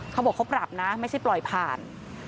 เขาบอกเขาปรับนะไม่ใช่ปล่อยผ่าน